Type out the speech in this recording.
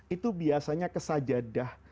itu biasanya ke sajadah